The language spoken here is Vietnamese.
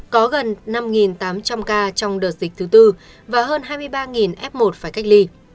có gần năm tám trăm linh ca trong đợt dịch thứ tư và hơn hai mươi ba f một phải cách ly